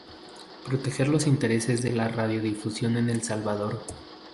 Proteger los intereses de la radiodifusión en El Salvador.